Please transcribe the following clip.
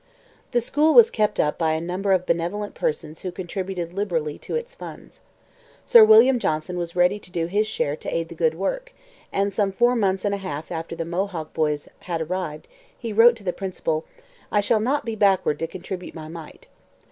The school was kept up by a number of benevolent persons who contributed liberally to its funds. Sir William Johnson was ready to do his share to aid the good work, and some four months and a half after the Mohawk boys had arrived he wrote to the principal: 'I shall not be backward to contribute my mite.'